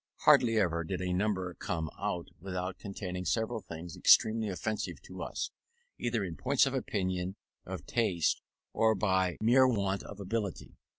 Hardly ever did a number come out without containing several things extremely offensive to us, either in point of opinion, of taste, or by mere want of ability.